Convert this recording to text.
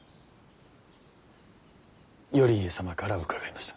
頼家様から伺いました。